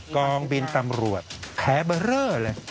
กองบินตำรวจแพ้เบอร์เรอเลย